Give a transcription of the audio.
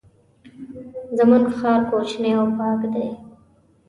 زمونږ ښار کوچنی او پاک دی.